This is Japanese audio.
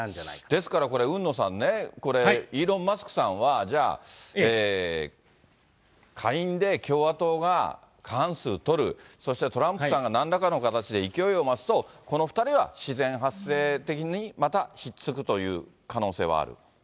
ですからこれ、海野さん、イーロン・マスクさんはじゃあ、下院で共和党が過半数取る、そしてトランプさんがなんらかの形で勢いを増すと、この２人は自然発生的に、また引っ付くという可能性はある？